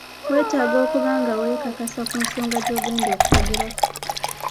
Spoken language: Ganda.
Weetaaga okuba nga weekakasa ku nsonga gy’ogenda okwogerako.